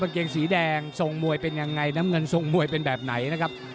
เกงสีแดงทรงมวยเป็นยังไงน้ำเงินทรงมวยเป็นแบบไหนนะครับ